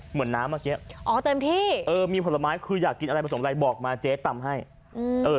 เหมือนน้ำเมื่อกี้อ๋อเต็มที่เออมีผลไม้คืออยากกินอะไรผสมอะไรบอกมาเจ๊ตำให้อืมเออ